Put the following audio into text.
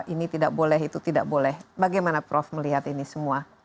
ini tidak boleh itu tidak boleh bagaimana prof melihat ini semua